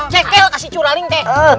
cekil kasih curaling teh